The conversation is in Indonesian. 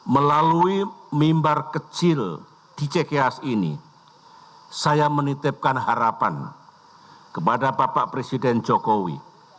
melalui mimbar kecil di cks ini saya menitipkan harapan kepada bapak presiden jokowi